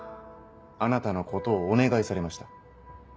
あなたのことをお願いされました。